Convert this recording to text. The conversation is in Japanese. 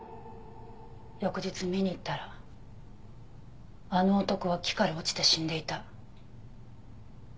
翌日見に行ったらあの男は木から落ちて死んでいた。